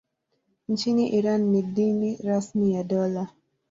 Nchini Iran ni dini rasmi ya dola.